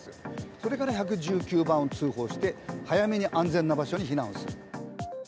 それから１１９番通報して早めに安全な場所に避難する。